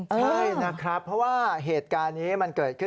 ใช่นะครับเพราะว่าเหตุการณ์นี้มันเกิดขึ้น